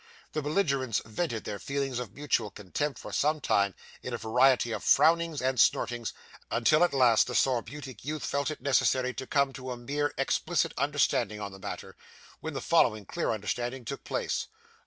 The belligerents vented their feelings of mutual contempt, for some time, in a variety of frownings and snortings, until at last the scorbutic youth felt it necessary to come to a more explicit understanding on the matter; when the following clear understanding took place.